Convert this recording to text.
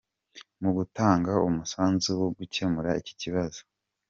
Mu gutanga umusanzu wo gukemura iki kibazo